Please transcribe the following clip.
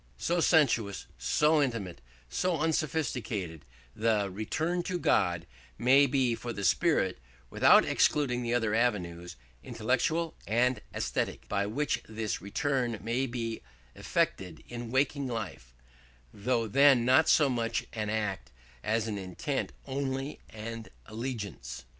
So sensuous, so intimate, so unsophisticated the "return to God" may be for the spirit, without excluding the other avenues, intellectual and ascetic, by which this return may be effected in waking life, though then not so much in act as in intent only and allegiance.